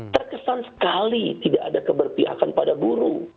terkesan sekali tidak ada keberpihakan pada buru